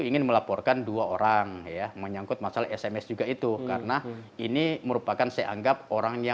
ingin melaporkan dua orang ya menyangkut masalah sms juga itu karena ini merupakan saya anggap orangnya